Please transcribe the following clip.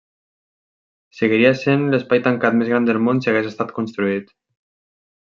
Seguiria sent l'espai tancat més gran del món si hagués estat construït.